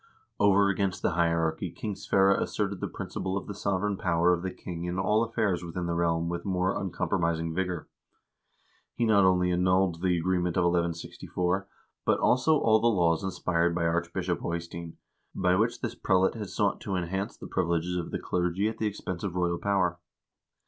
Over against the hierarchy King Sverre asserted the principle of the sovereign power of the king in all affairs within the realm with more uncompromising vigor. He not only annulled the agreement of 1164, but also all the laws inspired by Archbishop Eystein, by which this prelate had sought to enhance the privileges of the clergy at the expense of royal power.